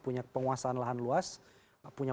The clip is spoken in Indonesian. punya penguasaan lahan luas punya